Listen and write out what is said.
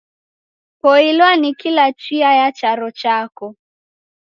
Poilwa ni kila chia ya charo chako.